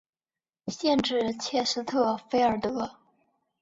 县治切斯特菲尔德。